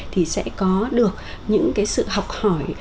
thì sẽ có được những cái sự học hỏi